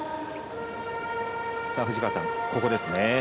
藤川さん、ここですね。